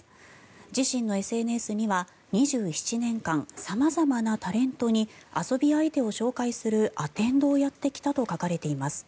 自身のＳＮＳには２７年間様々なタレントに遊び相手を紹介するアテンドをやってきたと書かれています。